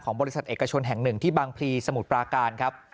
บริษัทเอกชนแห่งหนึ่งที่บางพลีสมุทรปราการครับ